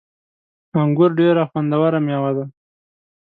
انګور ډیره خوندوره میوه ده